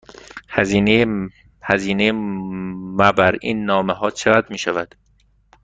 هزینه مبر این نامه ها چقدر می شود؟